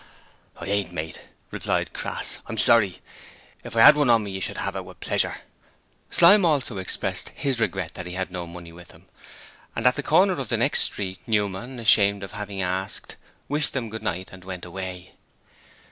'I ain't mate,' replied Crass. 'I'm sorry; if I 'ad one on me, you should 'ave it, with pleasure.' Slyme also expressed his regret that he had no money with him, and at the corner of the next street Newman ashamed of having asked wished them 'good night' and went away.